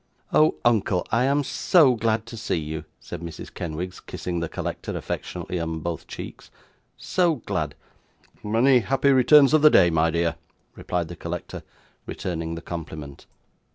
'Oh, uncle, I am SO glad to see you,' said Mrs. Kenwigs, kissing the collector affectionately on both cheeks. 'So glad!' 'Many happy returns of the day, my dear,' replied the collector, returning the compliment.